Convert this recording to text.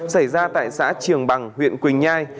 xảy ra tại xã trường bằng huyện quỳnh nhai